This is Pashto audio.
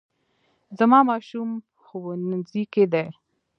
زما ماشوم ښوونځي کې دی